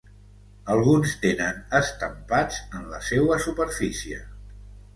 Alguns tenen estampats en la seua superfície.